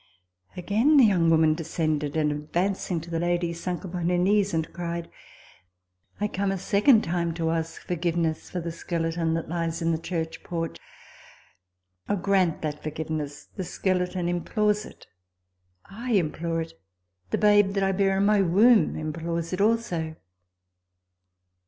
Again the young woman descended, and, advancing to the lady, sunk upon her knees, and cried, " I come a second time to ask forgiveness for the skeleton that lies in the church porch. Oh, grant that forgiveness ! the skeleton implores it ! I implore it ! the babe that I bear in my womb im plores it also